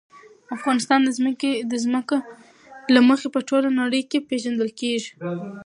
افغانستان د ځمکه له مخې په ټوله نړۍ کې پېژندل کېږي.